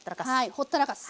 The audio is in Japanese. ほったらかす。